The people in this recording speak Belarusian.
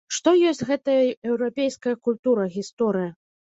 Што ёсць гэтая еўрапейская культура, гісторыя.